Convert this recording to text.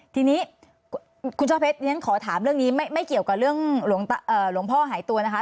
ทีนี้คุณช่อเพชรขอถามเรื่องนี้ไม่เกี่ยวกับเรื่องหลวงพ่อหายตัวนะคะ